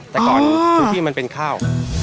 แต่ก่อนพื้นที่มันเป็นข้าว